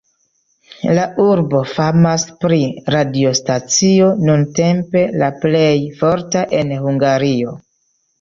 La urbo famas pri radiostacio, nuntempe la plej forta en Hungario.